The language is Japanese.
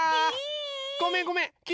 ごめんごめんきい